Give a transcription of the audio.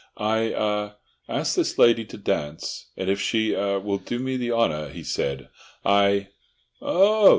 "I—ah—asked this lady to dance, and if she—er—will do me the honour," he said, "I—" "Oh!